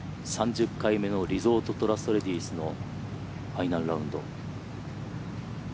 ３０回目のリゾートトラストレディスのファイナルラウンド。